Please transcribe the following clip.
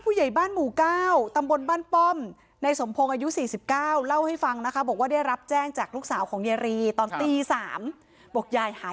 อุ๊ยแข็งแรงมากคุณยาย